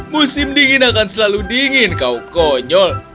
musim dingin akan selalu dingin kau konyol